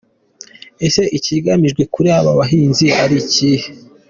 Ese ikigamijwe kuri aba bahinzi ari ikihe?